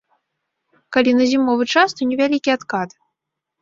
Калі на зімовы час, то невялікі адкат.